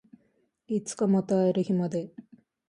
いつかまた会える日まで